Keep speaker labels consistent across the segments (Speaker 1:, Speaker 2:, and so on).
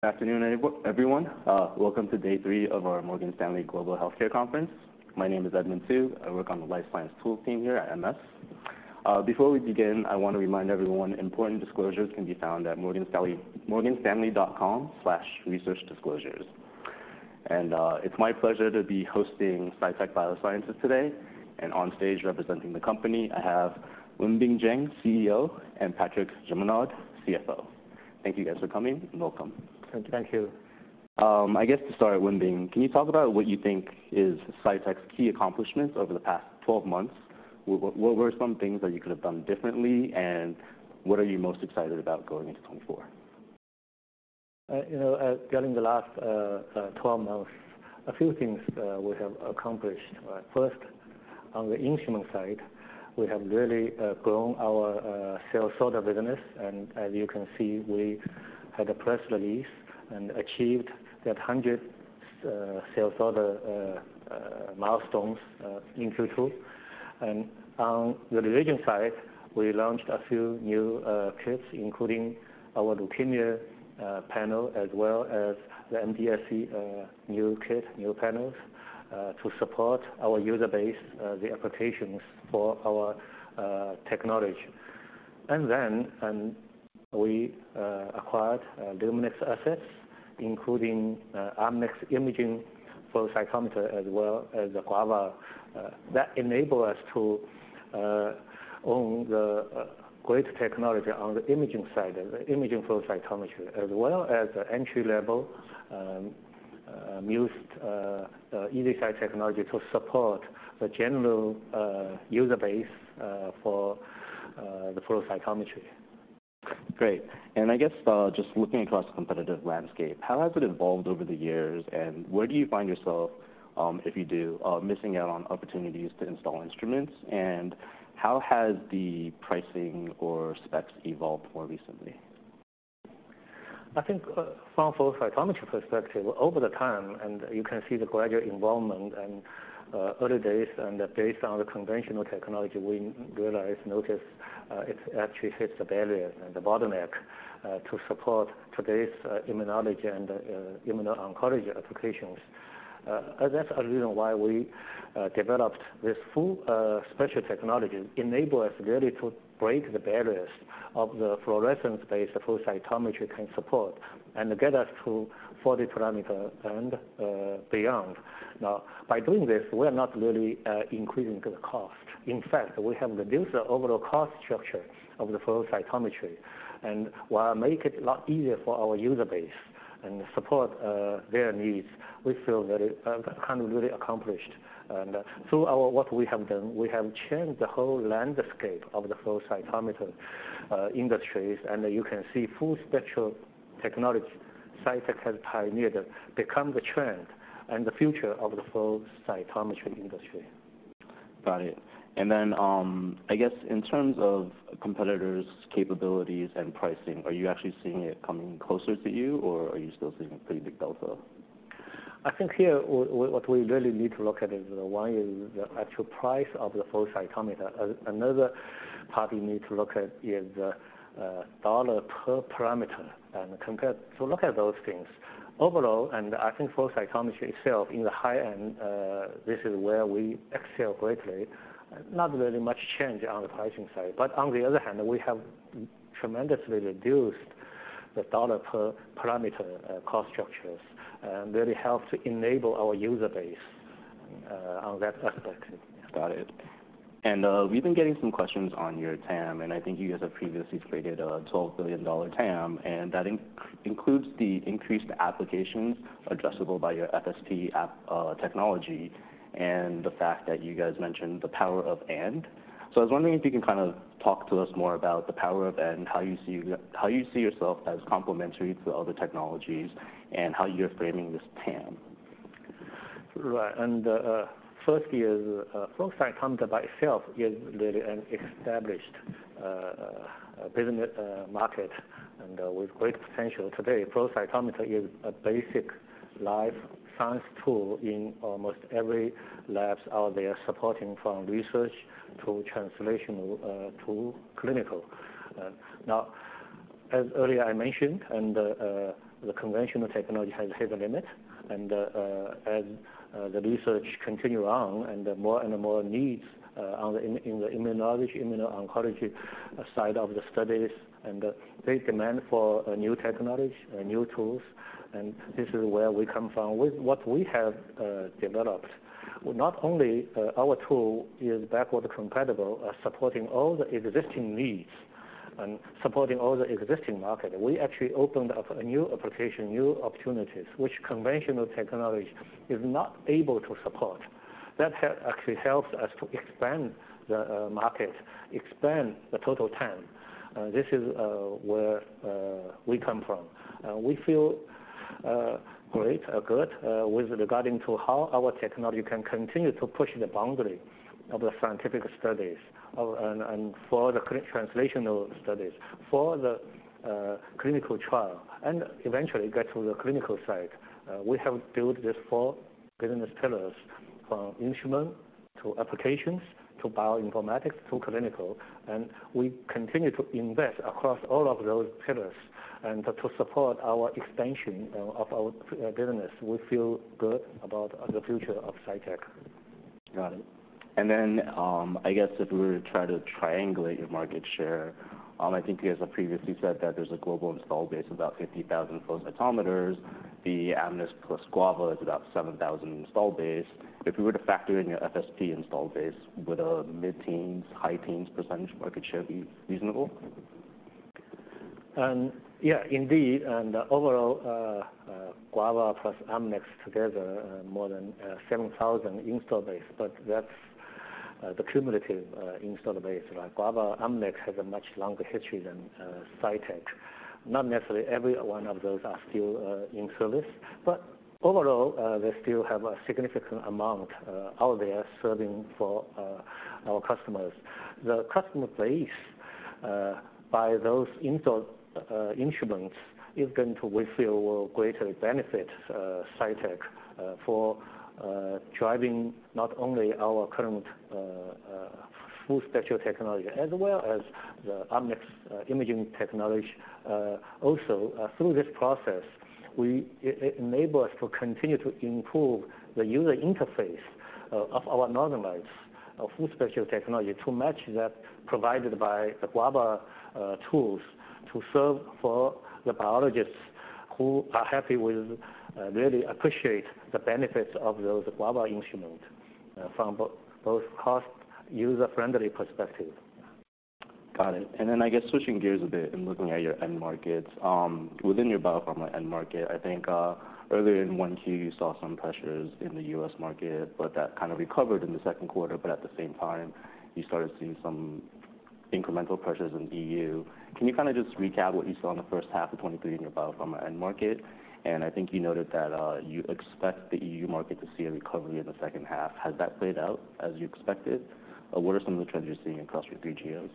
Speaker 1: Good afternoon, everyone. Welcome to day three of our Morgan Stanley Global Healthcare Conference. My name is Edmond Tu. I work on the life science tool team here at MS. Before we begin, I want to remind everyone, important disclosures can be found at morganstanley.com/researchdisclosures. And it's my pleasure to be hosting Cytek Biosciences today, and on stage representing the company, I have Wenbin Jiang, CEO, and Patrik Jeanmonod, CFO. Thank you, guys, for coming, and welcome.
Speaker 2: Thank you.
Speaker 3: Thank you.
Speaker 1: I guess to start, Wenbin, can you talk about what you think is Cytek's key accomplishments over the past 12 months? What were some things that you could have done differently, and what are you most excited about going into 2024?
Speaker 3: You know, during the last 12 months, a few things we have accomplished. First, on the instrument side, we have really grown our cell sorter business, and as you can see, we had a press release and achieved that 100th cell sorter milestone in Q2. And on the reagent side, we launched a few new kits, including our leukemia panel, as well as the MDSC new kit, new panels to support our user base, the applications for our technology. And then we acquired Luminex assets, including the Amnis imaging flow cytometer as well as the Guava that enable us to own the great technology on the imaging side and the imaging flow cytometry, as well as the entry-level Muse easyCyte technology to support the general user base for the flow cytometry.
Speaker 1: Great. And I guess, just looking across the competitive landscape, how has it evolved over the years, and where do you find yourself, if you do, missing out on opportunities to install instruments? And how has the pricing or specs evolved more recently?
Speaker 3: I think, from flow cytometry perspective, over time, and you can see the gradual involvement and early days, and based on the conventional technology, we realize, notice, it actually hits the barriers and the bottleneck to support today's immunology and immuno-oncology applications. That's a reason why we developed this full spectrum technology, enable us really to break the barriers of the fluorescence-based flow cytometry can support, and get us to 40 parameters and beyond. Now, by doing this, we are not really increasing the cost. In fact, we have reduced the overall cost structure of the flow cytometry, and while make it a lot easier for our user base and support their needs, we feel very kind of really accomplished. Through what we have done, we have changed the whole landscape of the flow cytometry industry, and you can see full spectrum technology. Cytek has pioneered it, become the trend and the future of the flow cytometry industry.
Speaker 1: Got it. I guess in terms of competitors' capabilities and pricing, are you actually seeing it coming closer to you, or are you still seeing a pretty big delta?
Speaker 3: I think here, what we really need to look at is one is the actual price of the flow cytometer. Another part we need to look at is the $ per parameter, and compare. So look at those things. Overall, and I think flow cytometry itself, in the high end, this is where we excel greatly, not really much change on the pricing side. But on the other hand, we have tremendously reduced the $ per parameter cost structures, and really helped to enable our user base, on that aspect.
Speaker 1: Got it. And we've been getting some questions on your TAM, and I think you guys have previously stated a $12 billion TAM, and that includes the increased applications addressable by your FSP technology, and the fact that you guys mentioned the power of and. So I was wondering if you can kind of talk to us more about the power of and, how you see your—how you see yourself as complementary to other technologies, and how you're framing this TAM.
Speaker 3: Right. And, firstly is, flow cytometry by itself is really an established, business, market and, with great potential. Today, flow cytometer is a basic life science tool in almost every labs out there, supporting from research to translational, to clinical. Now, as earlier I mentioned, and, the conventional technology has hit a limit, and, as, the research continue on and the more and more needs, on the in the Immunology, immuno-oncology side of the studies, and the great demand for a new technology and new tools, and this is where we come from. With what we have, developed, not only, our tool is backward-compatible, supporting all the existing needs and supporting all the existing market, we actually opened up a new application, new opportunities, which conventional technology is not able to support. That help, actually helps us to expand the market, expand the total TAM. This is where we come from. We feel great, good with regard to how our technology can continue to push the boundary of the scientific studies and for the translational studies, for the clinical trial, and eventually get to the clinical side. We have built this four business pillars from instruments to applications, to bioinformatics, to clinical, and we continue to invest across all of those pillars and to support our expansion of our business. We feel good about the future of Cytek.
Speaker 1: Got it. And then, I guess if we were to try to triangulate your market share, I think you guys have previously said that there's a global install base of about 50,000 flow cytometers. The Amnis plus Guava is about 7,000 install base. If we were to factor in your FSP install base, would a mid-teens, high-teens % market share be reasonable?
Speaker 3: Yeah, indeed, and overall, Guava plus Amnis together are more than 7,000 install base, but that's the cumulative install base, right? Guava, Amnis has a much longer history than Cytek. Not necessarily every one of those are still in service, but overall, they still have a significant amount out there serving for our customers. The customer base by those install instruments is going to we feel will greatly benefit Cytek for driving not only our current full spectral technology, as well as the Amnis imaging technology. Also, through this process, it enable us to continue to improve the user interface of our normalization of full spectrum technology to match that provided by the Guava tools to serve for the biologists who are happy with, really appreciate the benefits of those Guava instrument from both cost, user-friendly perspective.
Speaker 1: Got it. And then, I guess, switching gears a bit and looking at your end markets. Within your biopharma end market, I think, earlier in Q1, you saw some pressures in the U.S. market, but that kind of recovered in the second quarter, but at the same time, you started seeing some incremental pressures in E.U. Can you kind of just recap what you saw in the first half of 2023 in your biopharma end market? And I think you noted that, you expect the E.U. market to see a recovery in the second half. Has that played out as you expected, or what are some of the trends you're seeing across your three GMs?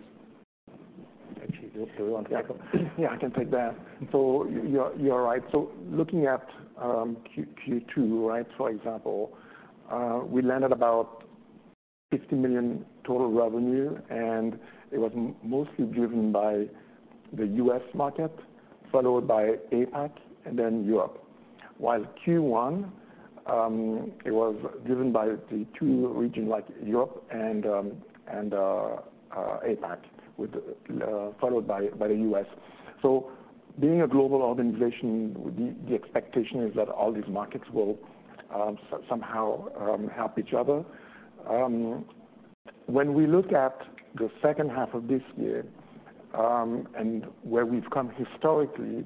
Speaker 3: Actually, do you want to take it?
Speaker 2: Yeah, I can take that. So you're, you're right. So looking at Q2, right, for example, we landed about $50 million total revenue, and it was mostly driven by the U.S. market, followed by APAC and then Europe. While Q1, it was driven by the two regions like Europe and APAC, with followed by the U.S. So being a global organization, the expectation is that all these markets will somehow help each other. When we look at the second half of this year, and where we've come historically,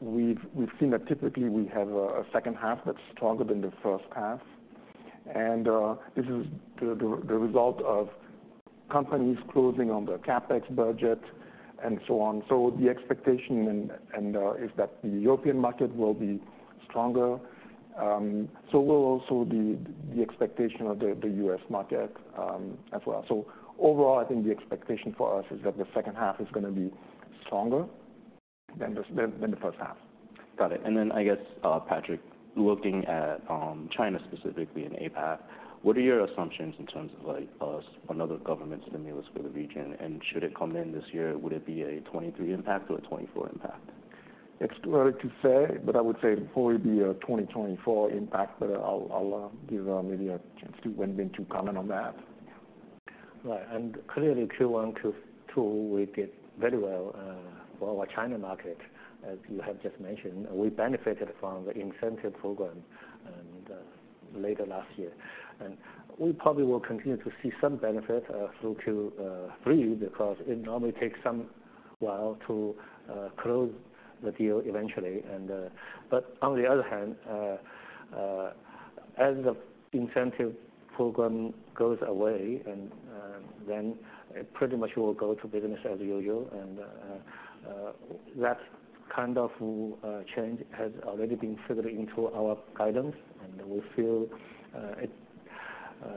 Speaker 2: we've seen that typically we have a second half that's stronger than the first half. And this is the result of companies closing on their CapEx budget and so on. So the expectation is that the European market will be stronger, so will also the expectation of the US market, as well. So overall, I think the expectation for us is that the second half is gonna be stronger than the first half.
Speaker 1: Got it. And then, I guess, Patrik, looking at China specifically in APAC, what are your assumptions in terms of, like, another government stimulus for the region? And should it come in this year, would it be a 2023 impact or a 2024 impact?
Speaker 2: It's early to say, but I would say it would probably be a 2024 impact, but I'll give maybe a chance to Wenbin to comment on that.
Speaker 3: Right, and clearly, Q1, Q2, we did very well for our China market, as you have just mentioned. We benefited from the incentive program, and later last year. And we probably will continue to see some benefit through Q3, because it normally takes some while to close the deal eventually. And as the incentive program goes away, and then it pretty much will go to business as usual. And that kind of change has already been figured into our guidance, and we feel it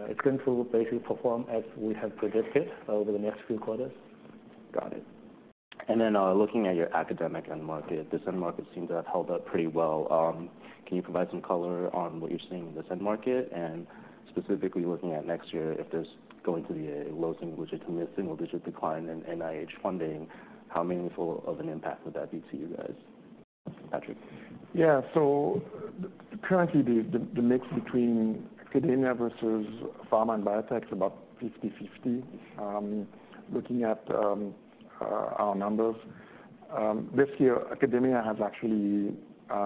Speaker 3: it's going to basically perform as we have predicted over the next few quarters.
Speaker 1: Got it. And then, looking at your academic end market, this end market seemed to have held up pretty well. Can you provide some color on what you're seeing in this end market? And specifically, looking at next year, if there's going to be a low single digit to mid single digit decline in NIH funding, how meaningful of an impact would that be to you guys? Patrik.
Speaker 2: Yeah. So currently, the mix between academia versus pharma and biotech is about 50/50. Looking at our numbers this year, academia has actually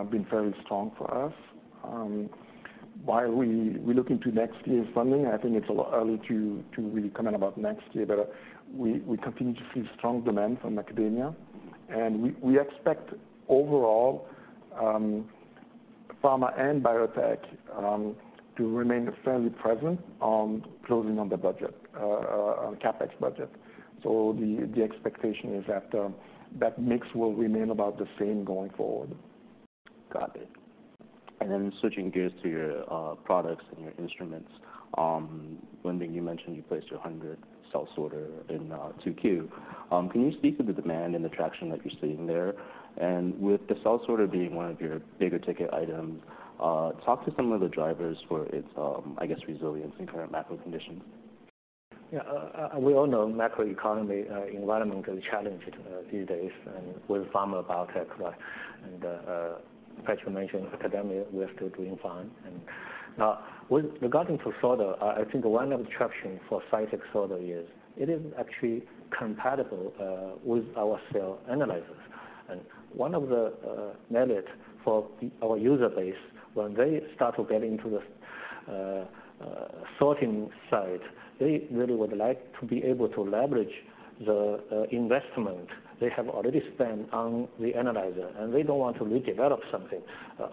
Speaker 2: been fairly strong for us. While we look into next year's funding, I think it's a lot early to really comment about next year, but we continue to see strong demand from academia. And we expect overall, pharma and biotech to remain fairly present on closing on the budget on CapEx budget. So the expectation is that that mix will remain about the same going forward.
Speaker 1: Got it. And then switching gears to your products and your instruments. Wenbin, you mentioned you placed your 100 cell sorter in 2Q. Can you speak to the demand and the traction that you're seeing there? And with the cell sorter being one of your bigger ticket items, talk to some of the drivers for its, I guess, resilience in current macro conditions.
Speaker 3: Yeah, we all know macroeconomy environment is challenged these days, and with pharma, biotech, and Patrik mentioned academia, we are still doing fine. Now with regard to sorter, I think one attraction for Cytek sorter is it is actually compatible with our cell analyzers. And one of the merit for our user base, when they start to get into the sorting side, they really would like to be able to leverage the investment they have already spent on the analyzer, and they don't want to redevelop something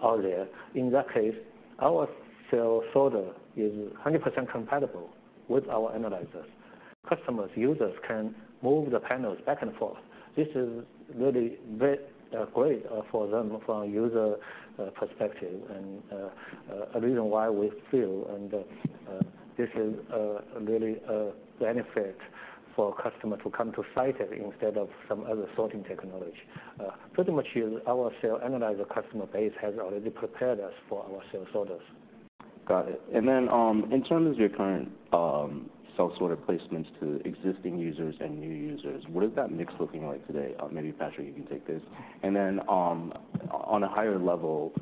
Speaker 3: out there. In that case, our cell sorter is 100% compatible with our analyzers. Customers, users can move the panels back and forth. This is really very great for them from a user perspective, and a reason why we feel and this is really a benefit for customers who come to Cytek instead of some other sorting technology. Pretty much our cell analyzer customer base has already prepared us for our cell sorters.
Speaker 1: Got it. And then, in terms of your current cell sorter placements to existing users and new users, what is that mix looking like today? Maybe, Patrik, you can take this. And then, on a higher level,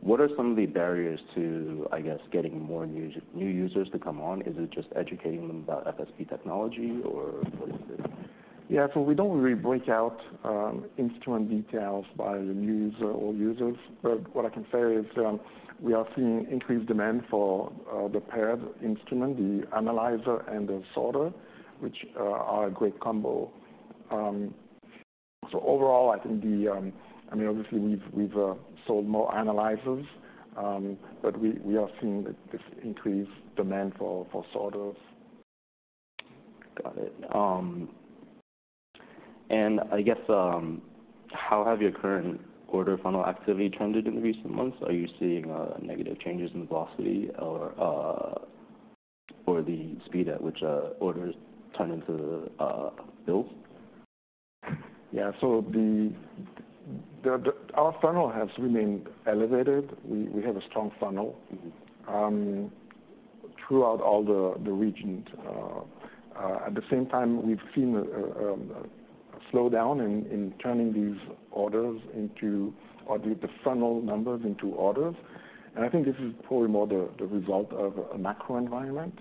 Speaker 1: what are some of the barriers to, I guess, getting more new users to come on? Is it just educating them about FSP technology, or what is it?
Speaker 2: Yeah, so we don't really break out instrument details by the new user or users, but what I can say is, we are seeing increased demand for the paired instrument, the analyzer and the sorter, which are a great combo. So overall, I think... I mean, obviously, we've sold more analyzers, but we are seeing this increased demand for sorters.
Speaker 1: Got it. I guess, how have your current order funnel activity trended in the recent months? Are you seeing negative changes in the velocity or the speed at which orders turn into bills?
Speaker 2: Yeah. So our funnel has remained elevated. We have a strong funnel-
Speaker 1: Mm-hmm.
Speaker 2: Throughout all the regions. At the same time, we've seen a slowdown in turning the funnel numbers into orders. And I think this is probably more the result of a macro environment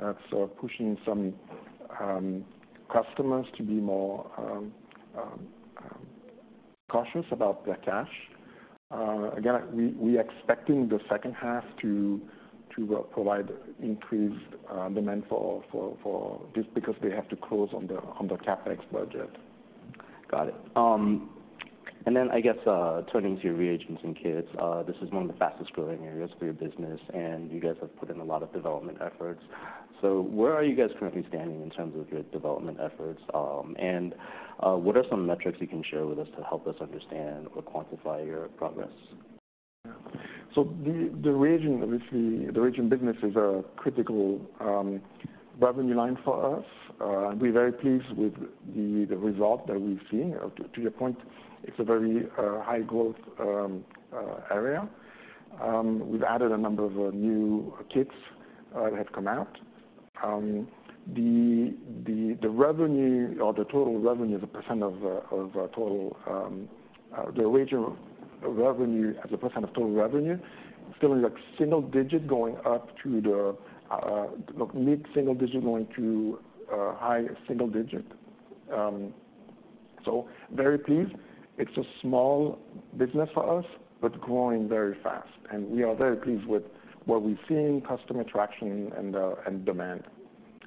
Speaker 2: that's pushing some customers to be more cautious about their cash. Again, we're expecting the second half to provide increased demand just because they have to close on the CapEx budget.
Speaker 1: Got it. I guess, turning to your reagents and kits, this is one of the fastest-growing areas for your business, and you guys have put in a lot of development efforts. Where are you guys currently standing in terms of your development efforts, and what are some metrics you can share with us to help us understand or quantify your progress?
Speaker 2: So the reagent, obviously, the reagent business is a critical revenue line for us. We're very pleased with the result that we've seen. To your point, it's a very high-growth area. We've added a number of new kits that have come out. The revenue or the total revenue, the percent of total, the reagent revenue as a percent of total revenue, still is like single digit, going up to the mid-single digit, going to high single digit. So very pleased. It's a small business for us, but growing very fast, and we are very pleased with what we've seen, customer traction and demand.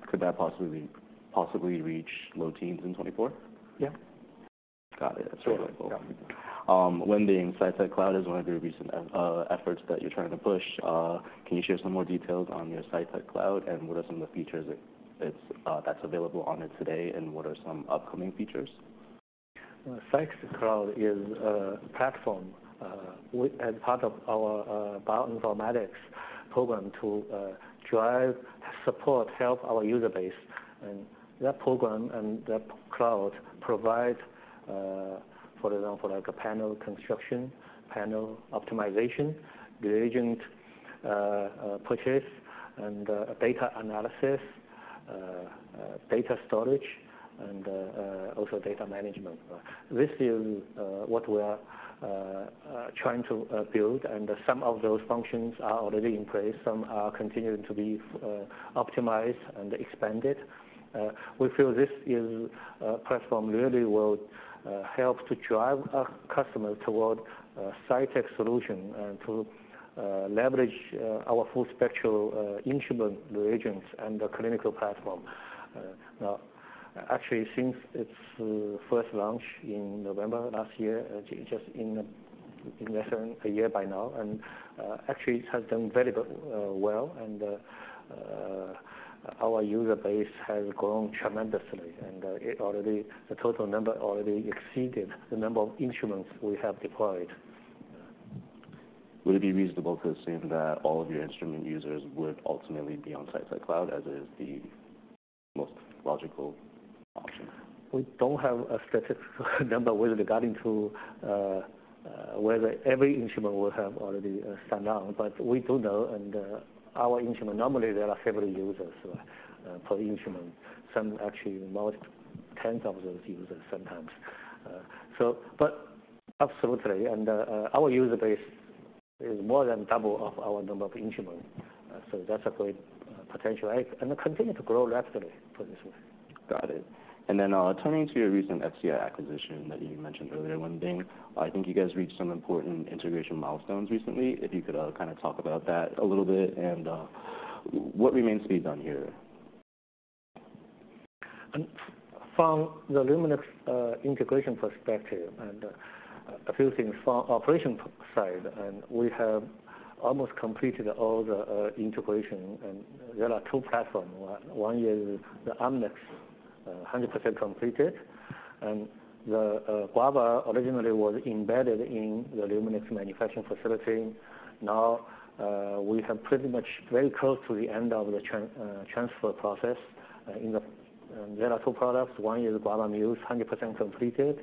Speaker 1: Could that possibly, possibly reach low teens in 2024?
Speaker 2: Yeah.
Speaker 1: Got it.
Speaker 2: Sure. Yeah.
Speaker 1: Wenbin, Cytek Cloud is one of your recent efforts that you're trying to push. Can you share some more details on your Cytek Cloud, and what are some of the features that's available on it today, and what are some upcoming features?
Speaker 3: Cytek Cloud is a platform, as part of our bioinformatics program, to drive, support, help our user base. And that program and that cloud provide, for example, like a panel construction, panel optimization, reagent purchase, and data analysis, data storage, and also data management. This is what we are trying to build, and some of those functions are already in place. Some are continuing to be optimized and expanded. We feel this is a platform really will help to drive our customers toward a Cytek solution and to leverage our full spectrum instrument reagents and the clinical platform. Now, actually, since its first launch in November last year, just in less than a year by now, and actually it has done very good, well. And our user base has grown tremendously, and it already, the total number already exceeded the number of instruments we have deployed.
Speaker 1: Would it be reasonable to assume that all of your instrument users would ultimately be on Cytek Cloud, as is the most logical?
Speaker 3: We don't have a specific number with regard to whether every instrument will have already signed on, but we do know, and our instrument, normally there are several users per instrument. Some actually more tens of those users sometimes. So but absolutely, and our user base is more than double of our number of instrument. So that's a great potential, and it continue to grow rapidly for this one.
Speaker 1: Got it. And then, turning to your recent FCI acquisition that you mentioned earlier, one thing, I think you guys reached some important integration milestones recently. If you could, kind of talk about that a little bit, and, what remains to be done here?
Speaker 3: From the Luminex integration perspective and a few things from the operation side, we have almost completed all the integration, and there are two platforms. One is the Amnis, 100% completed, and the Guava originally was embedded in the Luminex manufacturing facility. Now we have pretty much very close to the end of the transfer process. There are two products. One is Guava Muse, 100% completed.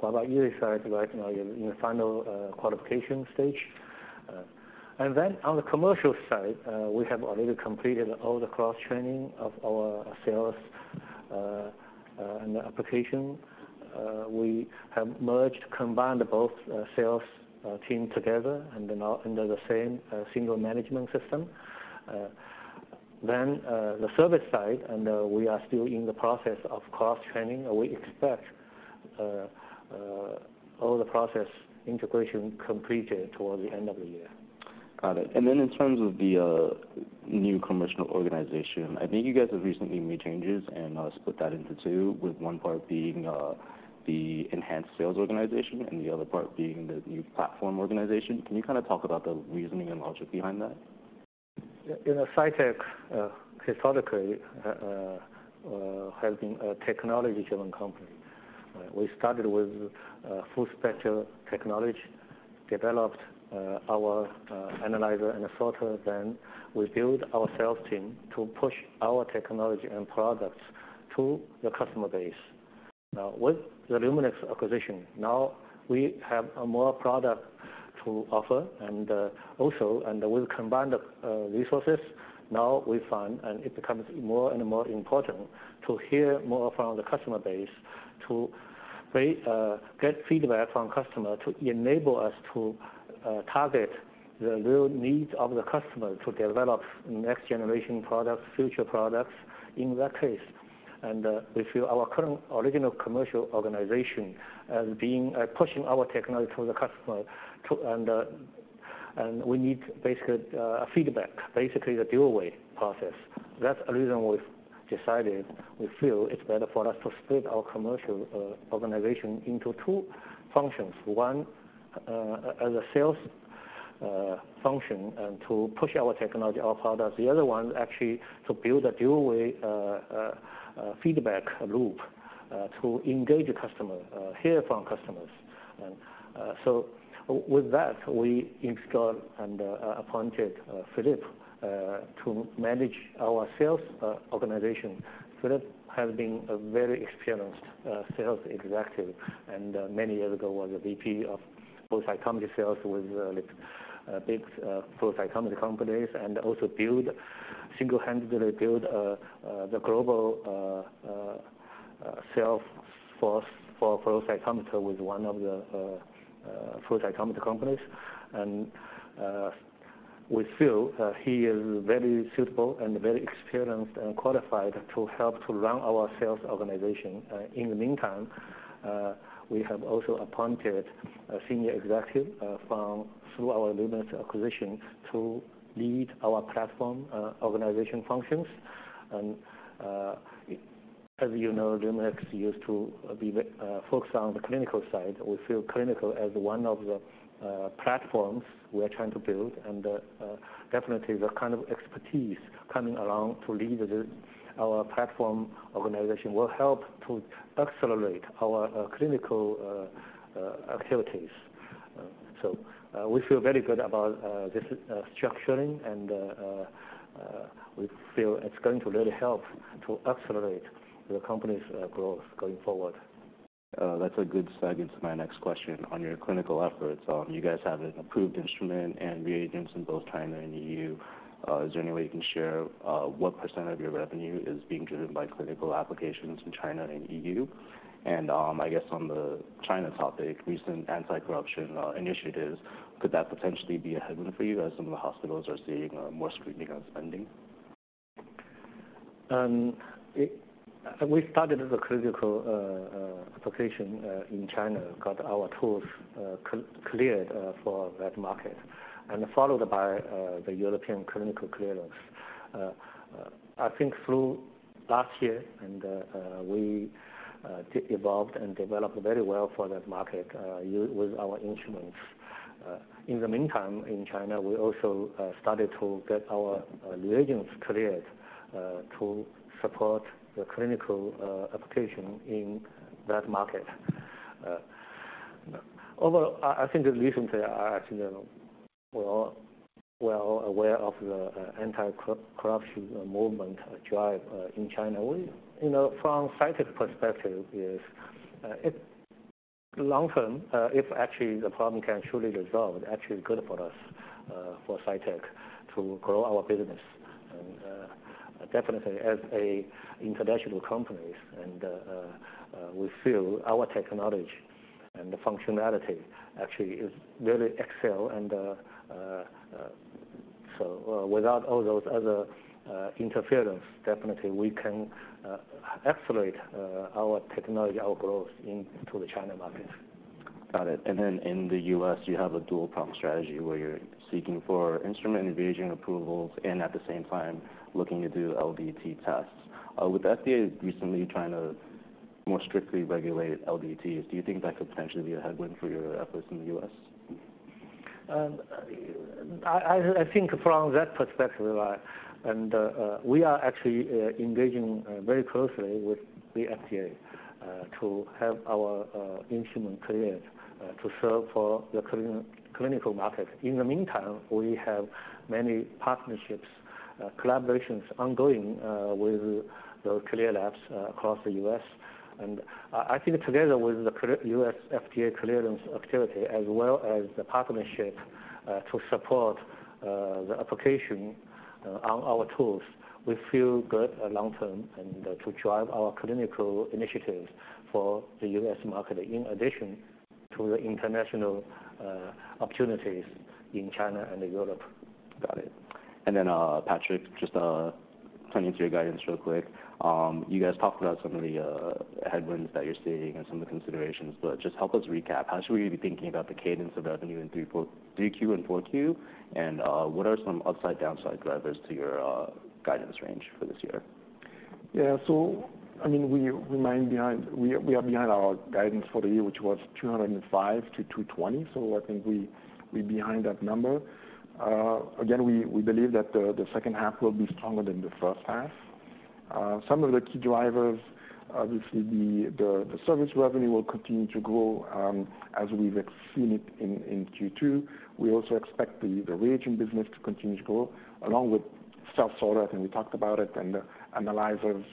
Speaker 3: Guava easyCyte, right now in the final qualification stage. And then on the commercial side, we have already completed all the cross-training of our sales and the application. We have merged, combined both sales team together and they're now under the same single management system. Then, the service side, and we are still in the process of cross-training, and we expect all the process integration completed towards the end of the year.
Speaker 1: Got it. Then in terms of the new commercial organization, I think you guys have recently made changes and split that into two, with one part being the enhanced sales organization and the other part being the new platform organization. Can you kind of talk about the reasoning and logic behind that?
Speaker 3: In Cytek, historically, has been a technology-driven company. We started with full spectral technology, developed our analyzer and sorter, then we built our sales team to push our technology and products to the customer base. Now, with the Luminex acquisition, now we have a more product to offer, and also, and we've combined the resources. Now we find, and it becomes more and more important to hear more from the customer base, to pay, get feedback from customer, to enable us to target the real needs of the customer to develop next generation products, future products in that case. And we feel our current original commercial organization as being pushing our technology to the customer to, and and we need basically a feedback, basically the dual way process. That's the reason we've decided we feel it's better for us to split our commercial organization into two functions. One, as a sales function and to push our technology, our products. The other one actually to build a dual way feedback loop to engage the customer, hear from customers. And, so with that, we installed and appointed Philippe to manage our sales organization. Philippe has been a very experienced sales executive, and many years ago was a VP of both cytometry sales with big flow cytometry companies, and also built, single-handedly built the global sales force for flow cytometer with one of the flow cytometry companies. We feel that he is very suitable and very experienced and qualified to help to run our sales organization. In the meantime, we have also appointed a senior executive from our Luminex acquisition to lead our platform organization functions. As you know, Luminex used to be focused on the clinical side. We feel clinical as one of the platforms we are trying to build, and definitely the kind of expertise coming along to lead our platform organization will help to accelerate our clinical activities. So, we feel very good about this structuring and we feel it's going to really help to accelerate the company's growth going forward.
Speaker 1: That's a good segue into my next question. On your clinical efforts, you guys have an approved instrument and reagents in both China and EU. Is there any way you can share what percent of your revenue is being driven by clinical applications in China and EU? And, I guess on the China topic, recent anti-corruption initiatives, could that potentially be a headwind for you as some of the hospitals are seeing more screening on spending?
Speaker 3: We started the clinical application in China, got our tools cleared for that market, and followed by the European clinical clearance. I think through last year, and we evolved and developed very well for that market with our instruments. In the meantime, in China, we also started to get our reagents cleared to support the clinical application in that market. Although, I think the reasons are actually, you know, we're all well aware of the anti-corruption movement drive in China. We, you know, from Cytek's perspective is, it long term, if actually the problem can truly resolve, actually good for us, for Cytek to grow our business. Definitely, as a international company and we feel our technology and the functionality actually is really excel. So, without all those other interference, definitely we can accelerate our technology, our growth into the China market.
Speaker 1: Got it. And then in the U.S., you have a dual-pump strategy where you're seeking for instrument and reagent approvals, and at the same time looking to do LDT tests. With the FDA recently trying to more strictly regulate LDTs, do you think that could potentially be a headwind for your efforts in the U.S.?
Speaker 3: I think from that perspective, and we are actually engaging very closely with the FDA to help our instrument clearance to serve for the clinical market. In the meantime, we have many partnerships, collaborations ongoing with the CLIA labs across the U.S. And I think together with the U.S. FDA clearance activity, as well as the partnership to support the application on our tools, we feel good at long term and to drive our clinical initiatives for the U.S. market, in addition to the international opportunities in China and Europe.
Speaker 1: Got it. And then, Patrik, just turning to your guidance real quick. You guys talked about some of the headwinds that you're seeing and some of the considerations, but just help us recap. How should we be thinking about the cadence of revenue in 3Q and 4Q? And, what are some upside, downside drivers to your guidance range for this year?
Speaker 2: Yeah. So I mean, we remain behind, we are behind our guidance for the year, which was $205 million-$220 million. So I think we're behind that number. Again, we believe that the second half will be stronger than the first half. Some of the key drivers, obviously, the service revenue will continue to grow, as we've seen it in Q2. We also expect the reagent business to continue to grow, along with cell sorter, and we talked about it, and the analyzers,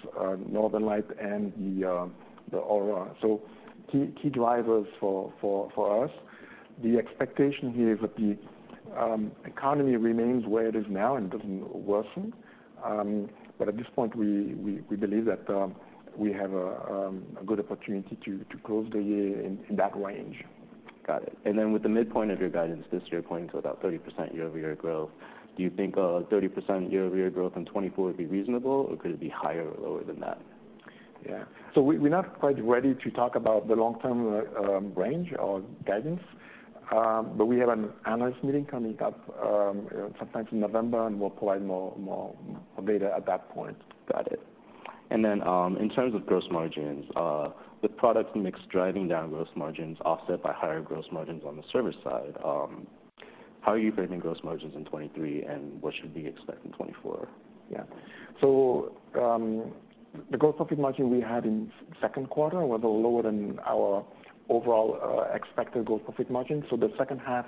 Speaker 2: Northern Lights and the Aurora. So key drivers for us. The expectation here is that the economy remains where it is now and doesn't worsen. But at this point, we believe that we have a good opportunity to close the year in that range.
Speaker 1: Got it. And then with the midpoint of your guidance this year pointing to about 30% year-over-year growth, do you think a 30% year-over-year growth in 2024 would be reasonable, or could it be higher or lower than that?
Speaker 2: Yeah. So we're not quite ready to talk about the long-term range or guidance. But we have an analyst meeting coming up sometime in November, and we'll provide more, more data at that point.
Speaker 1: Got it. And then, in terms of gross margins, with product mix driving down gross margins offset by higher gross margins on the service side, how are you framing gross margins in 2023, and what should we expect in 2024?
Speaker 2: Yeah. So, the gross profit margin we had in second quarter were lower than our overall expected gross profit margin. So the second half,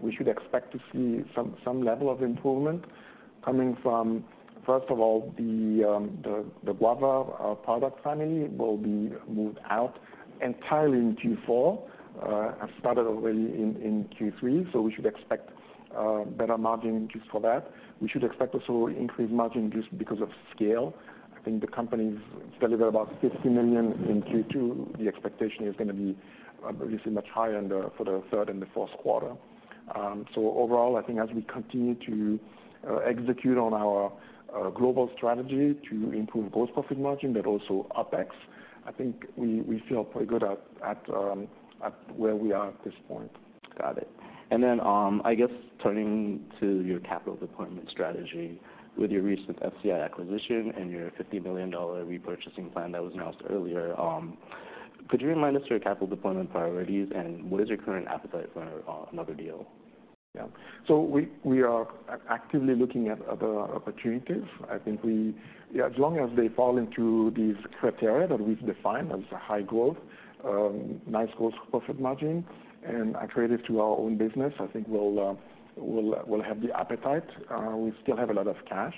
Speaker 2: we should expect to see some level of improvement coming from, first of all, the Guava product family will be moved out entirely in Q4, and started already in Q3, so we should expect better margin just for that. We should expect also increased margin just because of scale. I think the company's delivered about $50 million in Q2. The expectation is gonna be obviously much higher in the for the third and the fourth quarter. So overall, I think as we continue to execute on our global strategy to improve gross profit margin, but also OpEx, I think we feel pretty good at where we are at this point.
Speaker 1: Got it. And then, I guess turning to your capital deployment strategy with your recent FCI acquisition and your $50 million repurchasing plan that was announced earlier, could you remind us your capital deployment priorities, and what is your current appetite for another deal?
Speaker 2: Yeah. So we are actively looking at other opportunities. I think. Yeah, as long as they fall into these criteria that we've defined as a high growth, nice gross profit margin, and accretive to our own business, I think we'll have the appetite. We still have a lot of cash,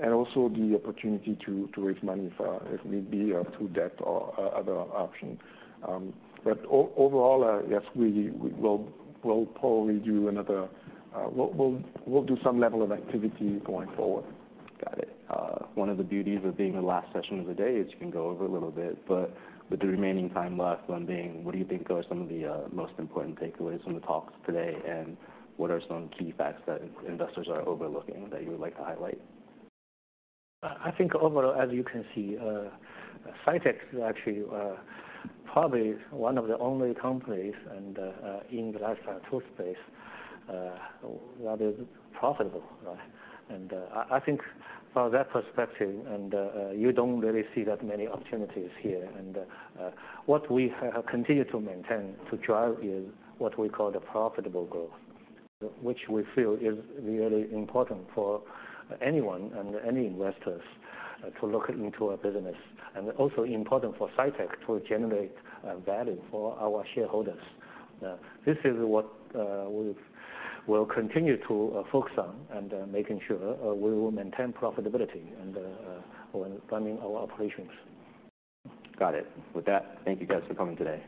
Speaker 2: and also the opportunity to raise money for if need be, through debt or other option. But overall, yes, we will, we'll probably do another. We'll do some level of activity going forward.
Speaker 1: Got it. One of the beauties of being the last session of the day is you can go over a little bit, but with the remaining time left, Wenbin, what do you think are some of the most important takeaways from the talks today, and what are some key facts that investors are overlooking that you would like to highlight?
Speaker 3: I think overall, as you can see, Cytek is actually probably one of the only companies in the life science tools space that is profitable, right? I think from that perspective, you don't really see that many opportunities here. What we have continued to maintain to drive is what we call the profitable growth, which we feel is really important for anyone and any investors to look into our business, and also important for Cytek to generate value for our shareholders. This is what we'll continue to focus on, and making sure we will maintain profitability when running our operations.
Speaker 1: Got it. With that, thank you guys for coming today.